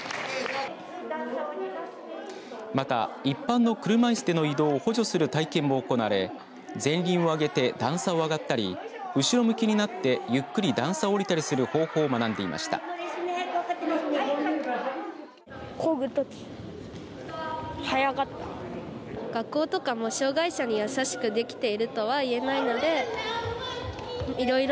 また一般の車いすでの移動を補助する体験も行われ前輪を上げて段差を上がったり後ろ向きになってゆっくり段差を降りたりする方法を学んでいました。